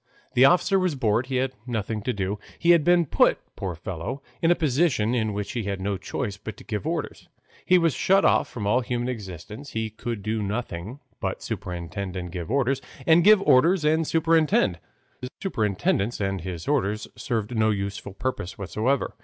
The officer was bored, he had nothing to do. He had been put, poor fellow, in a position in which he had no choice but to give orders. He was shut off from all human existence; he could do nothing but superintend and give orders, and give orders and superintend, though his superintendence and his orders served no useful purpose whatever.